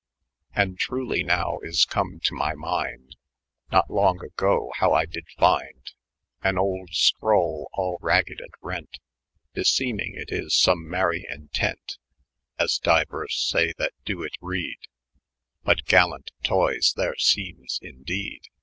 9 And truly now ia come to my mynde. Not long ago how I dyde fyndo An old acrow, all ragged and rent, Besemyng it is some mery entent, S2 As dyuere say that do it rede j Bat galannt toyes tlier semes in dede.